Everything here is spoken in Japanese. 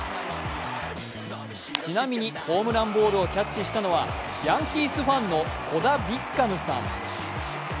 ちなみにホームランボールをキャッチしたのはヤンキースファンのコダ・ビッガムさん。